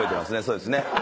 そうですね。